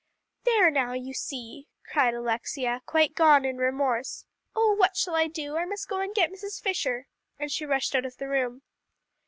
"There now, you see," cried Alexia, quite gone in remorse. "Oh, what shall I do? I must go and get Mrs. Fisher," and she rushed out of the room.